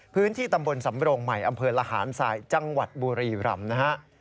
พื้นที่ตำบลสำโรงใหม่อำเภอละหารสายจังหวัดบุรีรำนะฮะ